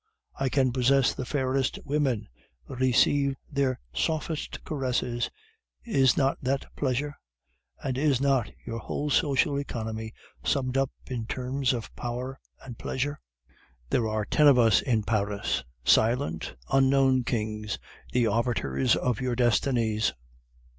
I can possess the fairest women, receive their softest caresses; is not that Pleasure? And is not your whole social economy summed up in terms of Power and Pleasure? "'There are ten of us in Paris, silent, unknown kings, the arbiters of your destinies.